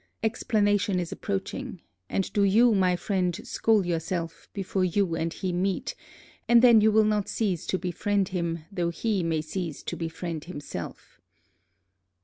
Explanation is approaching; and do you, my friend, school yourself, before you and he meet, and then you will not cease to befriend him though he may cease to befriend himself.